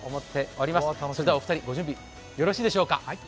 お二人ご準備よろしいでしょうか。